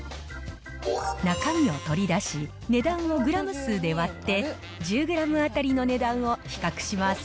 中身を取り出し、値段をグラム数で割って、１０グラム当たりの値段を比較します。